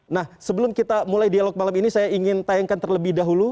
nah sebelum kita mulai dialog malam ini saya ingin tayangkan terlebih dahulu